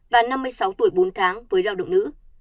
và năm mươi sáu tuổi bốn tháng với lao động nữ